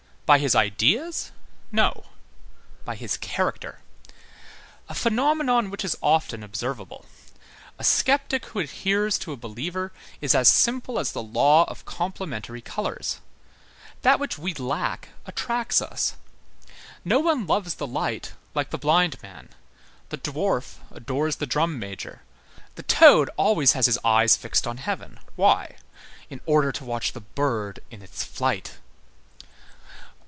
By his ideas? No. By his character. A phenomenon which is often observable. A sceptic who adheres to a believer is as simple as the law of complementary colors. That which we lack attracts us. No one loves the light like the blind man. The dwarf adores the drum major. The toad always has his eyes fixed on heaven. Why? In order to watch the bird in its flight.